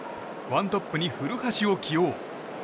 １トップに古橋を起用。